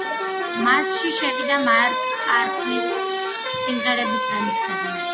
მასში შევიდა მაკ-კარტნის სიმღერების რემიქსები.